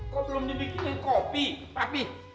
kok belum dibikinin kopi mami